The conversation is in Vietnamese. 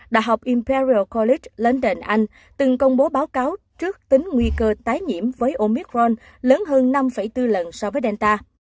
đại học imperial college london từng công bố báo cáo trước tính nguy cơ tái nhiễm với omicron lớn hơn năm bốn lần so với delta